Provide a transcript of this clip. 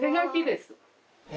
え！